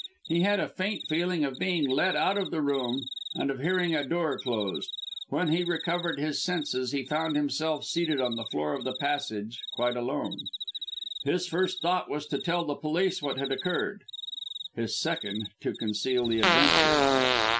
He had a faint feeling of being led out of the room and of hearing a door closed. When he recovered his senses he found himself seated on the floor of the passage quite alone. His first thought was to tell the police what had occurred, his second to conceal the adventure.